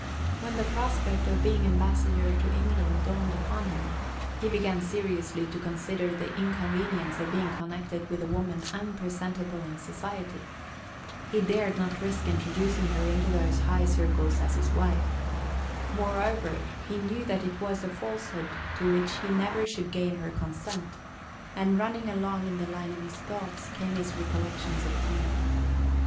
When the prospect of being ambassador to England dawned upon him, he began seriously to consider the inconvenience of being connected with a woman unpresentable in society. He dared not risk introducing her into those high circles as his wife. Moreover, he knew that it was a falsehood to which he never should gain her consent; and running along in the line of his thoughts came his recollections of Tina.